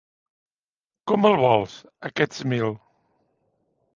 Com els vols, aquests mil?